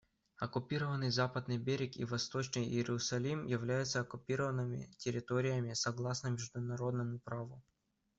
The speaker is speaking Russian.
Оккупированный Западный берег и Восточный Иерусалим являются оккупированными территориями, согласно международному праву.